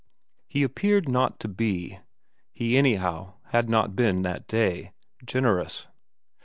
He appeared not to be he anyhow had not been that day generous.